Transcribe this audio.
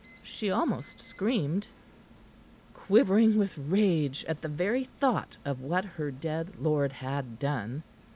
she almost screamed, quivering with rage at the very thought of what her dead lord had done.